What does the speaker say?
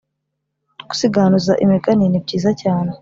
gusiganuza imigani ni byiza cyane